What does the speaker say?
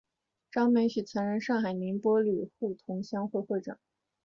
张美翊曾任上海宁波旅沪同乡会会长。